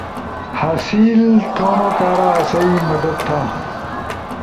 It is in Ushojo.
حاصل تھو کارا آسئی مدد تھا